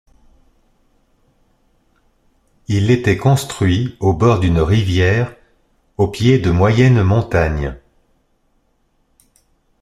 Il était construit au bord d'une rivière, au pied de moyennes montagnes.